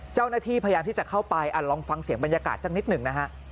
เจ้าหน้าที่พยายามที่จะเข้าไปลองฟังเสียงบรรยากาศสักนิดหนึ่งนะฮะ